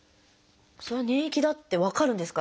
その粘液だって分かるんですか？